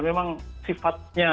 memang sifatnya ada